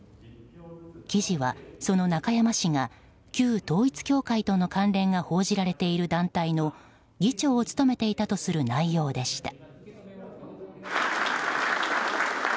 記事はその中山氏が旧統一教会との関連が報じられている団体の議長を務めていたとする内容でした。